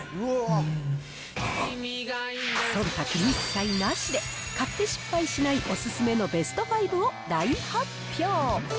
そんたく一切なしで、買って失敗しないお勧めのベスト５を大発表。